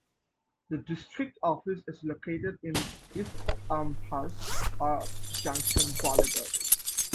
The district office is located in East Elmhurst on Junction Boulevard.